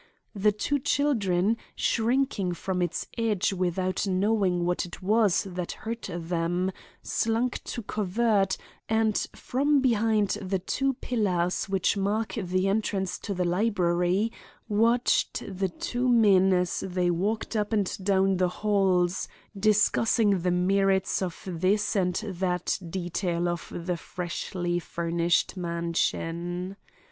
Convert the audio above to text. The two children, shrinking from its edge without knowing what it was that hurt them, slunk to covert, and from behind the two pillars which mark the entrance to the library, watched the two men as they walked up and down the halls discussing the merits of this and that detail of the freshly furnished mansion.